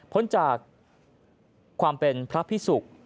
พ้นจากความเป็นพระพิสุก